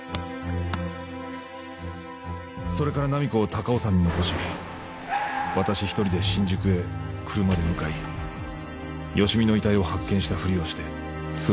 それから菜実子を高尾山に残し私１人で新宿へ車で向かい芳美の遺体を発見したふりをして通報しました。